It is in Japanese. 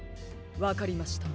わかりました。